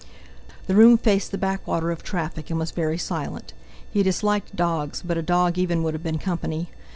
The room faced the backwater of traffic, and was very silent. He disliked dogs, but a dog even would have been company.